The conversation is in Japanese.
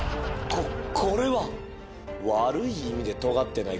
ここれは悪い意味で尖ってないか？